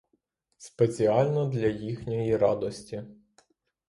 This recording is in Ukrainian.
Спеціально для їхньої радості.